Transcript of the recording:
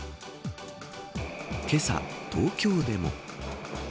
けさ、東京でも。